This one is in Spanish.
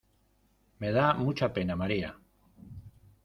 Me da mucha pena María.